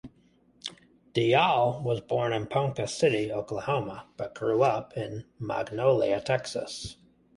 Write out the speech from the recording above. Dial was born in Ponca City, Oklahoma, but grew up in Magnolia, Texas.